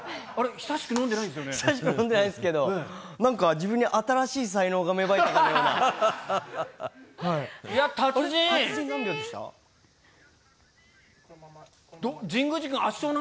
久しく飲んでないですけど、なんか自分に新しい才能が芽生えたかのような。